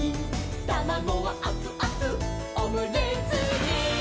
「たまごはあつあつオムレツに」